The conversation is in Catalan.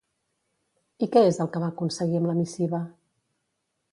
I què és el que va aconseguir amb la missiva?